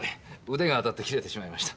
腕が当たって切れてしまいました。